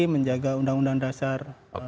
menjaga undang undang dasar empat puluh lima